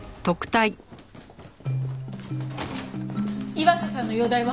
岩瀬さんの容体は？